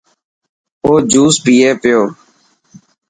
او جوس پئي پيو.